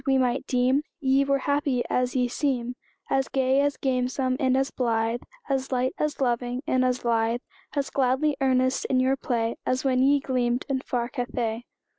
we might deem Ye were happy as ye seem As gay, as gamesome, and as blithe, As light, as loving, and as lithe, As gladly earnest in your play, As when ye gleamed in far Cathay.